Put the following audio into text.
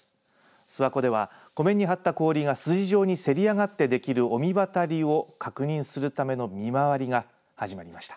諏訪湖では湖面に張った氷が筋状にせり上がってできる御神渡りを確認するための見回りが始まりました。